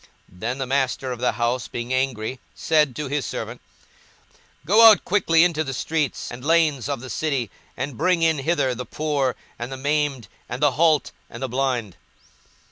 Then the master of the house being angry said to his servant, Go out quickly into the streets and lanes of the city, and bring in hither the poor, and the maimed, and the halt, and the blind.